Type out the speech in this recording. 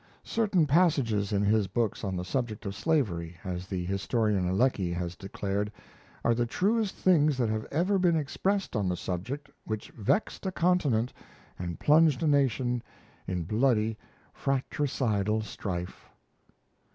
Certain passages in his books on the subject of slavery, as the historian Lecky has declared, are the truest things that have ever been expressed on the subject which vexed a continent and plunged a nation in bloody, fratricidal strife.